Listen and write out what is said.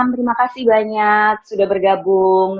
terima kasih banyak sudah bergabung